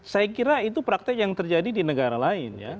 saya kira itu praktek yang terjadi di negara lain ya